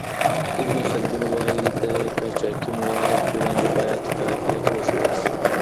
ابن خلدون وايي، د قاچاقي موادو پر وړاندې باید قاطعیت وښودل سي.